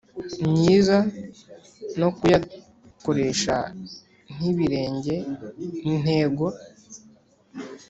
myiza no kuyakoresha ntibirenge intego